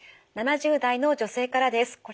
７０代の女性からです。